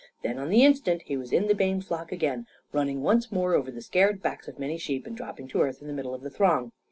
Then, on the instant, he was in the Bayne flock again, running once more over the scared backs of many sheep and dropping to earth in the middle of the throng.